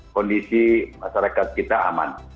kondisi masyarakat kita aman